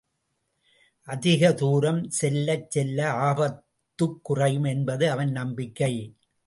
அதிக தூரம் செல்லச் செல்ல ஆபத்துக் குறையும் என்பது அவன் நம்பிக்கை.